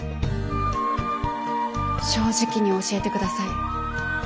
正直に教えて下さい。